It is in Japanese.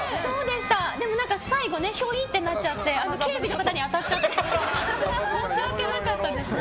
最後、ひょいってなっちゃって警備の方に当たっちゃって申し訳なかったですね。